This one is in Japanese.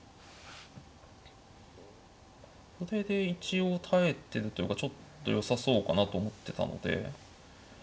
これで一応耐えてるというかちょっとよさそうかなと思ってたので。